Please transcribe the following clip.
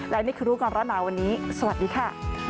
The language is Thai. และนี่คือรู้ก่อนร้อนหนาวันนี้สวัสดีค่ะ